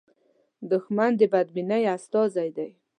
دښمن د بدبینۍ استازی دی